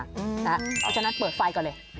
เพราะฉะนั้นเปิดไฟก่อนเลย